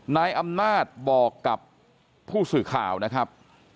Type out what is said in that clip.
นายอำนาจบอกกับผู้สื่อข่าวนะครับ